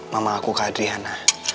mama aku ke adriana